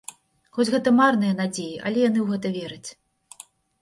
Хоць гэта марныя надзеі, але яны ў гэта вераць.